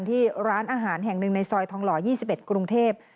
ที่ร้านอาหารแห่งหนึ่งในซอยทองหล่อ๒๑กรุงเทพ